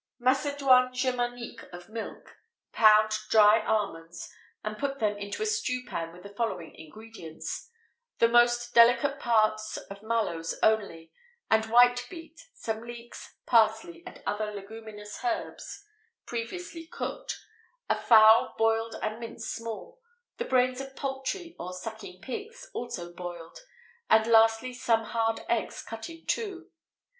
Macédoine Germanique of Milk. Pound dry almonds, and put them into a stewpan with the following ingredients: the most delicate parts of mallows only, and white beet, some leeks, parsley, and other leguminous herbs, previously cooked, a fowl boiled and minced small, the brains of poultry or sucking pigs, also boiled, and lastly, some hard eggs cut in two.